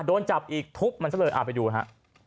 โดนจับอีกทุบมันซะเลยเอาไปดูฮะ